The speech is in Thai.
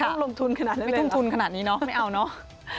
ต้องลงทุนขนาดนี้ไม่ต้องทุนขนาดนี้เนาะไม่เอาเนอะ